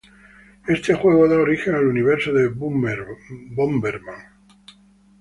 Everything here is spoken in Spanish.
Este juego da origen al universo de Bomberman.